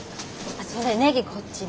それネギこっちで。